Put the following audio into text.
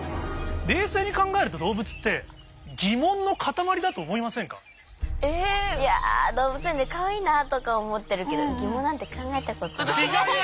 冷静に考えると動物っていやあ動物園でかわいいなとか思ってるけど疑問なんて考えたことない。